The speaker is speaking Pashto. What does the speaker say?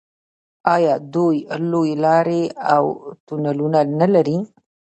آیا دوی لویې لارې او تونلونه نلري؟